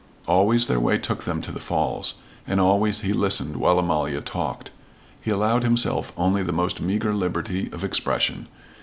Always their way took them to the falls. And always he listened while Amalia talked. He allowed himself only the most meager liberty of expression.